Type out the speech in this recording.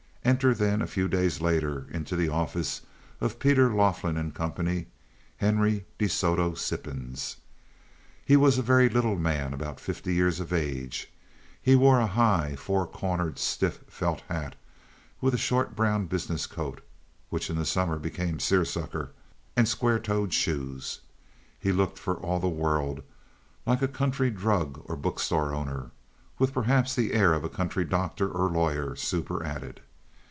Enter, then, a few days later into the office of Peter Laughlin & Co. Henry De Soto Sippens. He was a very little man, about fifty years of age; he wore a high, four cornered, stiff felt hat, with a short brown business coat (which in summer became seersucker) and square toed shoes; he looked for all the world like a country drug or book store owner, with perhaps the air of a country doctor or lawyer superadded.